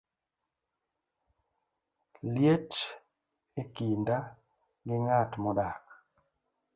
liet e kinda gi ng'at modak